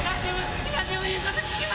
何でも言うこと聞きますから。